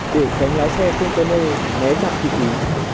để tránh lái xe container né chặt kỳ ký